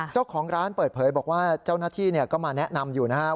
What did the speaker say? เจ้าของร้านเปิดเผยบอกว่าเจ้าหน้าที่ก็มาแนะนำอยู่นะครับ